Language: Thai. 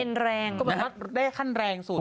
เอ็นแรงได้ขั้นแรงสุด